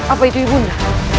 apa itu ibu anda